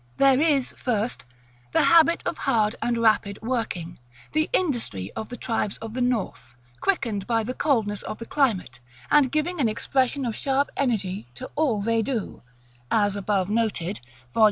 There is, first, the habit of hard and rapid working; the industry of the tribes of the North, quickened by the coldness of the climate, and giving an expression of sharp energy to all they do (as above noted, Vol.